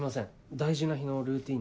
大事な日のルーティンで。